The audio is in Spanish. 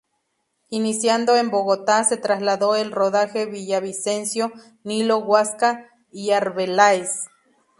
Iniciando en Bogotá se trasladó el rodaje a Villavicencio, Nilo, Guasca y Arbeláez.